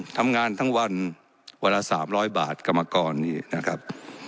ทำงานทั้งวันวันละ๓๐๐บาทกรรมกรนี้นะครับ